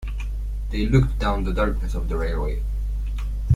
They looked down the darkness of the railway.